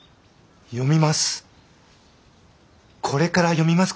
読みます。